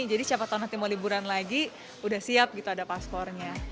jadi siapa tau nanti mau liburan lagi udah siap gitu ada paspornya